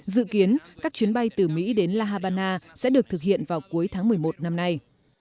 dự kiến các chuyến bay từ mỹ đến la habana sẽ được thực hiện vào cuối tháng một mươi một năm nay